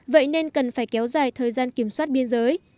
vậy nên cần phải kéo dài thời gian kiểm soát biên giới